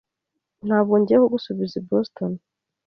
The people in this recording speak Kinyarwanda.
Ntabwo ngiye kugusubiza i Boston.